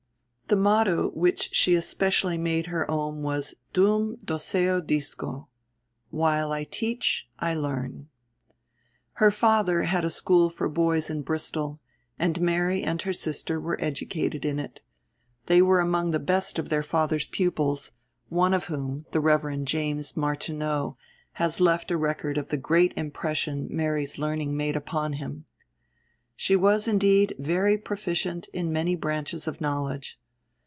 The motto which she especially made her own was Dum doceo disco—While I teach, I learn. Her father had a school for boys in Bristol, and Mary and her sister were educated in it. They were among the best of their father's pupils, one of whom, the Rev. James Martineau, has left a record of the great impression Mary's learning made upon him. She was indeed very proficient in many branches of knowledge.